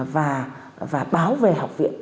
và báo về học viện